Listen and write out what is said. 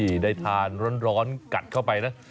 นี่ได้ทานร้อนกัดเข้าไปนะ